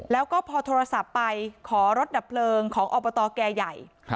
แล้วก็พอโทรศัพท์ไปขอรถดับเพลิงของอบตแก่ใหญ่